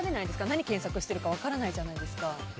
何検索してるか分からないじゃないですか。